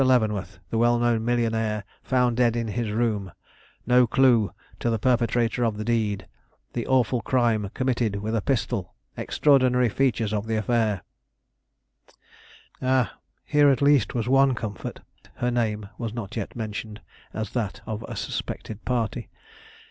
LEAVENWORTH, THE WELL KNOWN MILLIONAIRE, FOUND DEAD IN HIS ROOM NO CLUE TO THE PERPETRATOR OF THE DEED THE AWFUL CRIME COMMITTED WITH A PISTOL EXTRAORDINARY FEATURES OF THE AFFAIR Ah! here at least was one comfort; her name was not yet mentioned as that of a suspected party.